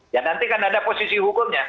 ya nanti kan ada posisi hukumnya